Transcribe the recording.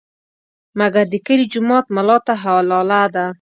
مګر د کلي جومات ملا ته حلاله ده.